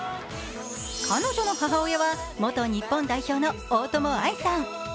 彼女の母親は、元日本代表の大友愛さん。